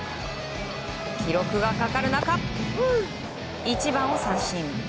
記録がかかる中、１番を三振。